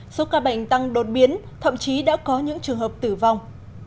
số ca bệnh tăng đột biến thậm chí đã có những trường hợp tử vong